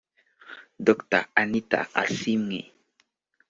Dr Anita Asiimwe